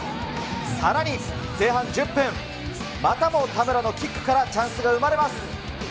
さらに、前半１０分、またも田村のキックからチャンスが生まれます。